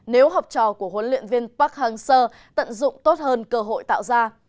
nếu học trò của huấn luyện viên park hang seo tận dụng tốt hơn cơ hội tạo ra